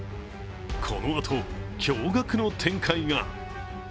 このあと、驚がくの展開が。